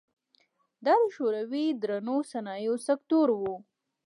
دا د شوروي د درنو صنایعو سکتور و.